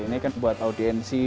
ini kan buat audiensi